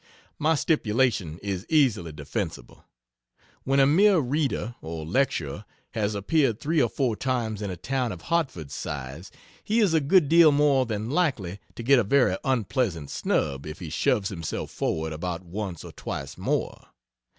My stipulation is easily defensible. When a mere reader or lecturer has appeared 3 or 4 times in a town of Hartford's size, he is a good deal more than likely to get a very unpleasant snub if he shoves himself forward about once or twice more.